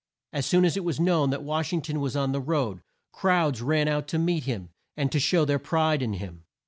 As soon as it was known that Wash ing ton was on the road, crowds ran out to meet him, and to show their pride in him.